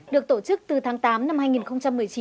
được tổ chức từ tháng tám năm hai nghìn một mươi chín